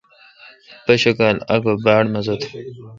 پشکال اگو باڑ مزہ تھون۔